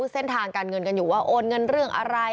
เส้นทางการเงินกันอยู่ว่าโอนเงินเรื่องอะไร